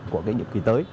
của các nhiệm kỳ tới